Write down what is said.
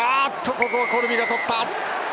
ここはコルビがとった！